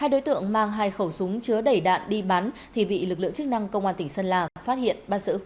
hai đối tượng mang hai khẩu súng chứa đẩy đạn đi bắn thì bị lực lượng chức năng công an tỉnh sân la phát hiện